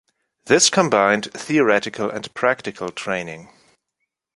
This combined theoretical and practical training.